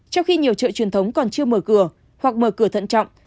trong khi nhiều chợ truyền thống còn chưa mở cửa hoặc mở cửa thận trọng